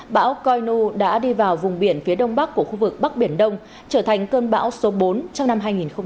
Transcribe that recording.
bão coino đã đi vào vùng biển phía đông bắc của khu vực bắc biển đông trở thành cơn bão số bốn trong năm hai nghìn hai mươi ba